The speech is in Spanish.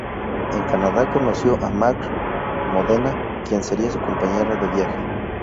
En Canadá conoció a Marc Modena, quien sería su compañero de viaje.